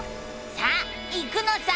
さあ行くのさ！